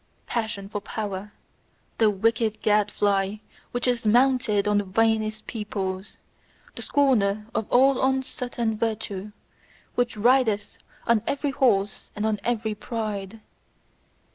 Passion for power: the wicked gadfly which is mounted on the vainest peoples; the scorner of all uncertain virtue; which rideth on every horse and on every pride.